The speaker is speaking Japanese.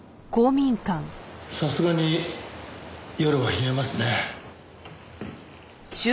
さすがに夜は冷えますね。